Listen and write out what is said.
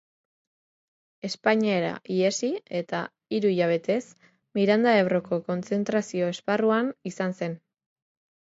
Espainiara ihesi eta, hiru hilabetez, Miranda Ebroko kontzentrazio-esparruan izan zen.